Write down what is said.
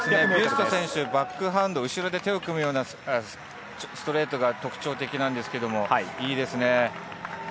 ビュスト選手、バックハンド、後ろで手を組むようなストレートが特徴的なんですけれども、いいですね。